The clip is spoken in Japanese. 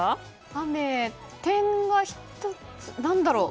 雨、点が１つ何だろう。